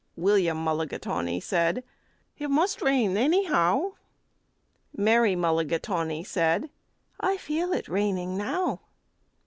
William Mulligatawny said, "It must rain, anyhow." Mary Mulligatawny said, "I feel it raining now."